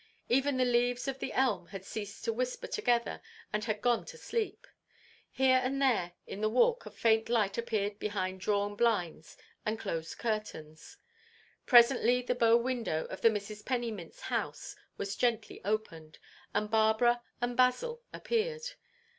Even the leaves of the elm had ceased to whisper together and had gone to sleep. Here and there in the Walk a faint light appeared behind drawn blinds and closed curtains. Presently the bow window of the Misses Pennymint's house was gently opened, and Barbara and Basil appeared.